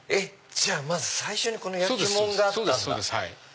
じゃあまず最初にこの焼き物があったんだ。